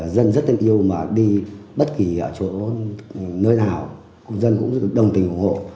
dân rất thân yêu mà đi bất kỳ ở chỗ nơi nào dân cũng đồng tình ủng hộ